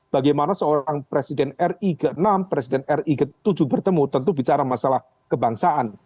bagaimana seorang presiden ri ke enam presiden ri ke tujuh bertemu tentu bicara masalah kebangsaan